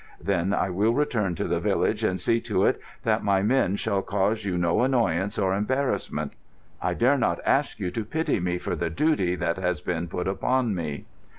Then I will return to the village and see to it that my men shall cause you no annoyance or embarrassment. I dare not ask you to pity me for the duty that has been put upon me."